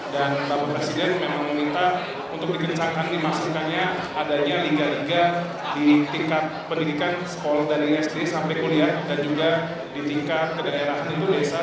dan bapak presiden memang meminta untuk dikencangkan dimasukkannya adanya liga liga di tingkat pendidikan sekolah dan sd sampai kuliah dan juga di tingkat kedaerahan itu biasa